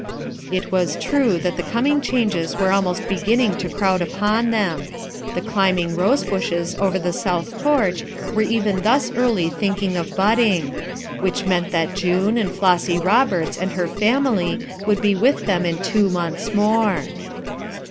It was true that the coming changes were almost beginning to crowd upon them. The climbing rose bushes over the south porch were even thus early thinking of budding; which meant that June and Flossy Roberts and her family would be with them in two months more.